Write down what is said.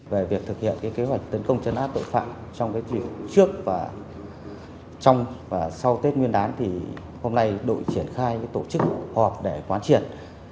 về việc thực hiện kế hoạch tấn công chấn áp tội phạm trong chiều trước và sau tết nguyên đán hôm nay đội triển khai tổ chức họp để quán triển